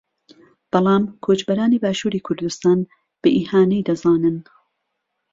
بەڵام کۆچبەرانی باشووری کوردستان بە ئیهانەی دەزانن